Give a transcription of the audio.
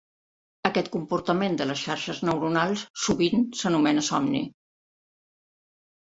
Aquest comportament de les xarxes neuronals sovint s'anomena somni.